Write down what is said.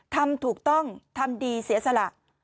ทำถูกต้องทำดีเสียสละ